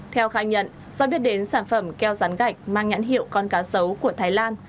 theo khai nhận do biết đến sản phẩm keo rán gạch mang nhãn hiệu con cá sấu của thái lan